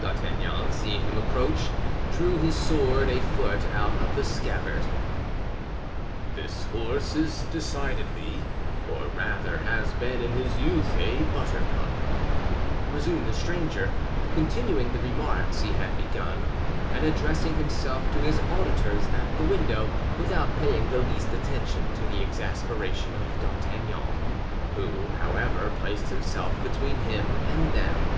D'Artagnan, seeing him approach, drew his sword a foot out of the scabbard. "This horse is decidedly, or rather has been in his youth, a buttercup," resumed the stranger, continuing the remarks he had begun, and addressing himself to his auditors at the window, without paying the least attention to the exasperation of D'Artagnan, who, however, placed himself between him and them.